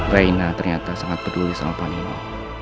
raina ternyata sangat peduli sama panino